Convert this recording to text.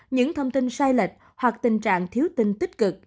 những thông tin sai lệch hoặc tình trạng thiếu tin tích cực